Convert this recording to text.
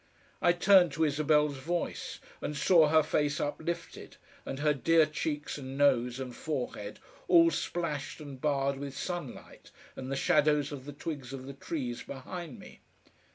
I turned to Isabel's voice, and saw her face uplifted, and her dear cheeks and nose and forehead all splashed and barred with sunlight and the shadows of the twigs of the trees behind me.